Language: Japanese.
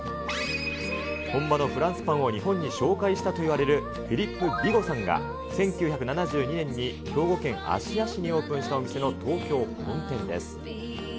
本場のフランスパンを日本に紹介したといわれるフィリップ・ビゴさんが１９７２年に兵庫県芦屋市にオープンしたお店の東京本店です。